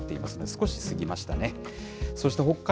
少し過ぎましたね。